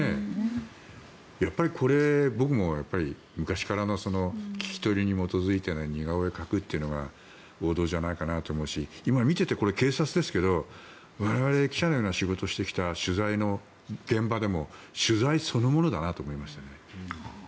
やっぱりこれ、僕も昔からの聞き取りに基づいての似顔絵を描くっていうのが王道じゃないかと思うし今見ていて、これは警察ですけど我々、記者のような仕事をしてきた現場でも取材そのものだなと思いました。